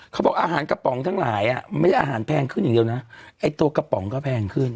เขาบอกอาหารกระป๋องทั้งหลายอ่ะไม่ได้อาหารแพงขึ้นอย่างเดียวนะไอ้ตัวกระป๋องก็แพงขึ้น